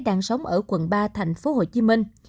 đang sống ở quận ba thành phố hồ chí minh